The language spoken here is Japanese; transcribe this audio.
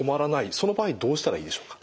その場合どうしたらいいでしょうか？